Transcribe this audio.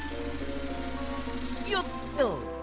よっと！